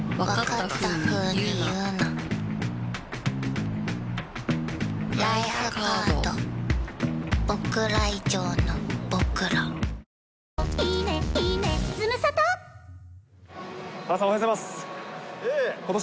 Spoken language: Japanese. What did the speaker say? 原さん、おはようございます。